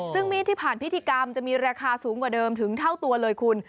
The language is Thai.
ซึ่งมีดที่ผ่านพิธีกรรมจะมีราคาสูงกว่าเดิมถึงเท่าตัวเลยคุณ